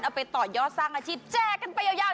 ไปต่อยอดสร้างอาชีพแจกกันไปยาว